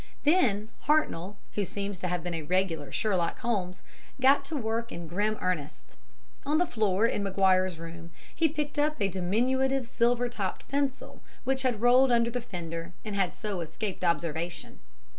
"Then Hartnoll, who seems to have been a regular Sherlock Holmes, got to work in grim earnest. On the floor in Maguire's room he picked up a diminutive silver topped pencil, which had rolled under the fender and had so escaped observation.